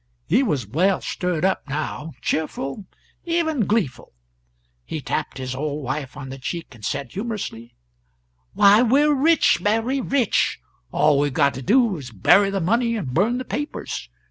He was well stirred up now; cheerful, even gleeful. He tapped his old wife on the cheek, and said humorously, "Why, we're rich, Mary, rich; all we've got to do is to bury the money and burn the papers.